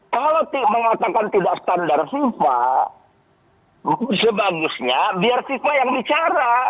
kalau mengatakan tidak standar fifa sebagusnya biar fifa yang bicara